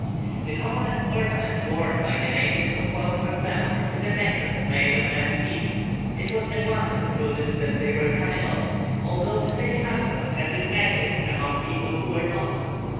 The commonest ornament worn by the natives of Port Praslin is a necklace made of men's teeth. It was at once concluded that they were cannibals, although the same customs had been met with among people who were not.